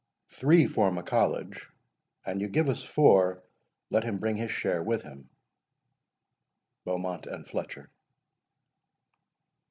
Three form a College—an you give us four, Let him bring his share with him. BEAUMONT AND FLETCHER.